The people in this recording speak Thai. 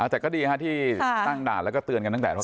แต่ก็ดีที่ตั้งด่านแล้วก็เตือนกันตั้งแต่รถ